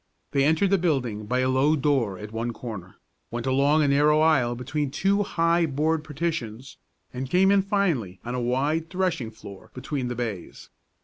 They entered the building by a low door at one corner, went along a narrow aisle between two high board partitions, and came in finally on the wide threshing floor between the bays.